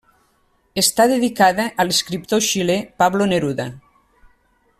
Està dedicada a l'escriptor xilè Pablo Neruda.